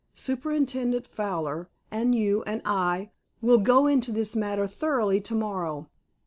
Superintendent Fowler and you and I will go into this matter thoroughly to morrow.